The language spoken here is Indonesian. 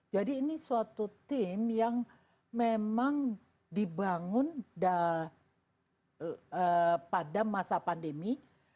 jadi ini suatu tim yang memang dibangun pada masa pandemi